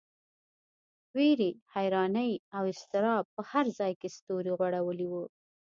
وېرې، حیرانۍ او اضطراب په هر ځای کې سیوری غوړولی و.